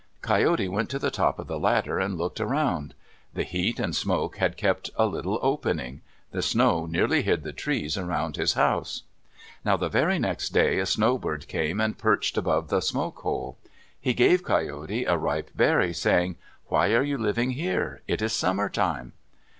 Coyote went to the top of the ladder and looked around. The heat and smoke had kept a little opening. The snow nearly hid the trees around his house. Now the very next day a snowbird came and perched above the smoke hole. He gave Coyote a ripe berry, saying, "Why are you living here? It is summertime."